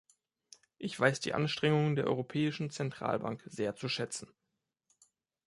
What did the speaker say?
Ich weiß die Anstrengungen der Europäischen Zentralbank sehr zu schätzen.